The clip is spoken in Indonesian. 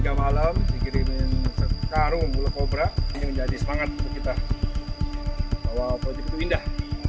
jam tiga malam dikirimin sekarung bulu kobra ini menjadi semangat untuk kita bahwa project itu indah